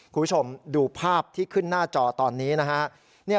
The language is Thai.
คุณผู้ชมดูภาพที่ขึ้นหน้าจอตอนนี้นะฮะ